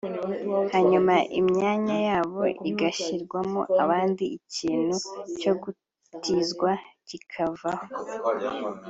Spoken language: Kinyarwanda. hanyuma imyanya yabo igashyirwamo abandi ikintu cyo gutizwa kikavaho